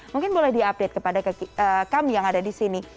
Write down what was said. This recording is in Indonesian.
mungkin boleh di update kepada kam yang ada disini